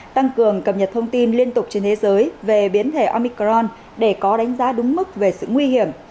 tăng cường cập nhật thông tin liên tục trên thế giới về biến thể omicron để có đánh giá đúng mức về sự nguy hiểm